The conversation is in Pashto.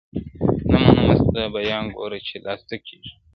نه منمه ستا بیان ګوره چي لا څه کیږي٫